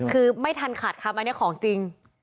คือไม่ทันขาดคำอันนี้ของจริง